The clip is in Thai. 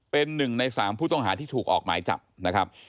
เป็น๑ใน๓ผู้ต้องหาที่ถูกออกหมายจับนะครับ